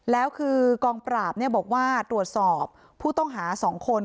แล้วคือกองปราบบอกว่าตรวจสอบผู้ต้องหา๒คน